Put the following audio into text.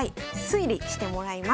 推理してもらいます。